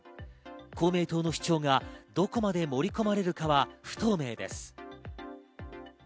公明党の主張がどこまで盛り込まれるかは不透明です。